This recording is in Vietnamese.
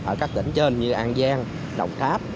ở các tỉnh trên như an giang đồng tháp